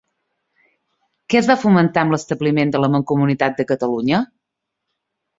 Què es va fomentar amb l'establiment de la Mancomunitat de Catalunya?